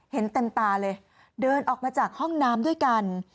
เห็นเต็มตาเลยเดินออกมาจากห้องน้ำด้วยกัน